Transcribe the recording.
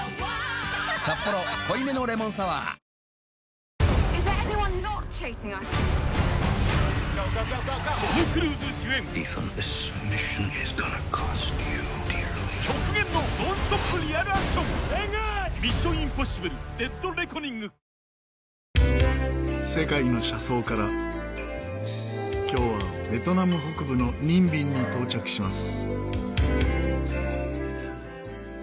「サッポロ濃いめのレモンサワー」今日はベトナム北部のニンビンに到着します。